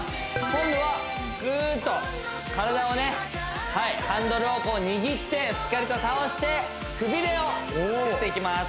今度はぐーっと体をねハンドルを握ってしっかりと倒してくびれを作っていきます